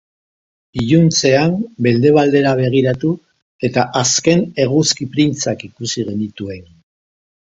Iluntzean mendebaldera begiratu eta azken eguzki printzak ikusi genituen.